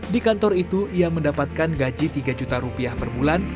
di kantor itu ia mendapatkan gaji tiga juta rupiah per bulan